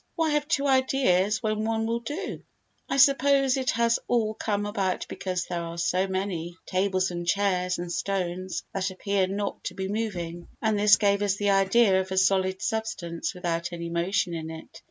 Why have two ideas when one will do? I suppose it has all come about because there are so many tables and chairs and stones that appear not to be moving, and this gave us the idea of a solid substance without any motion in it.